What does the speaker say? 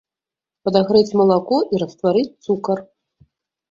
Падагрэць малако і растварыць цукар.